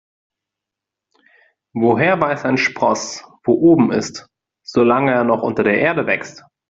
Woher weiß ein Spross, wo oben ist, solange er noch unter der Erde wächst?